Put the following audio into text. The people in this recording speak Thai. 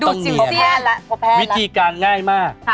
ต้องมีอนาวิธีการง่ายมาก